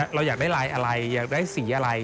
เราอยากได้ลายอะไรอยากได้สีอะไร